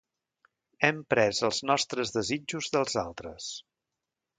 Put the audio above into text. Hem pres els nostres desitjos dels altres.